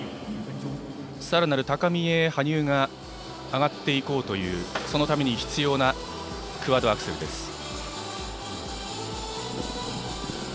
さらなる高みへ、羽生が上がっていこうというそのために必要なクアッドアクセルです。